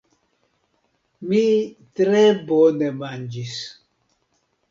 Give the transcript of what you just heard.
Mi tre bone manĝis.